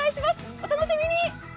お楽しみに。